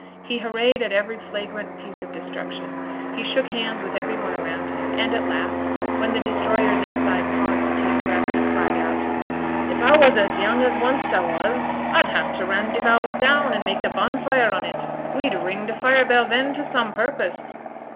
He hurraed at every flagrant piece of destruction; he shook hands with every one around him, and, at last, when the destroyers inside paused to take breath, he cried out, 'If a was as young as onest a was, a'd have t' Randyvowse down, and mak' a bonfire on it. We'd ring t' fire bell then t' some purpose.'